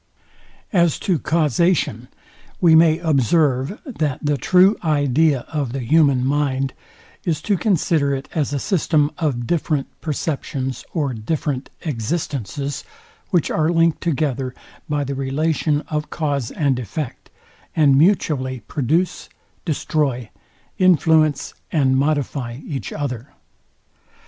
As to causation; we may observe, that the true idea of the human mind, is to consider it as a system of different perceptions or different existences, which are linked together by the relation of cause and effect, and mutually produce, destroy, influence, and modify each other.